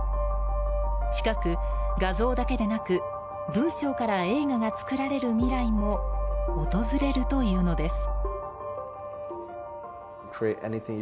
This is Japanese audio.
近く、画像だけでなく文章から映画が作られる未来も訪れるというのです。